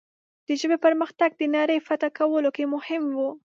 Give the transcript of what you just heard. د ژبې پرمختګ د نړۍ فتح کولو کې مهم و.